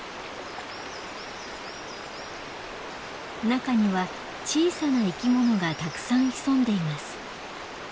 中には小さな生きものがたくさん潜んでいます。